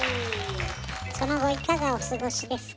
その後いかがお過ごしですか？